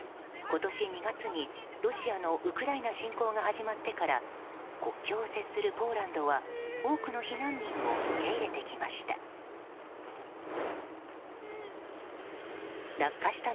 今年２月にロシアのウクライナ侵攻が始まってから国境を接するポーランドは多くの避難民を受け入れてきました。